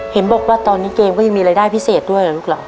เห็นบอกว่าตอนนี้เกมก็ยังมีรายได้พิเศษด้วยเหรอลูกเหรอ